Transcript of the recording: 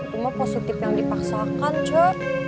cuma positif yang dipaksakan cuma